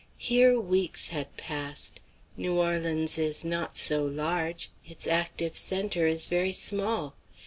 Here, weeks had passed. New Orleans is not so large; its active centre is very small.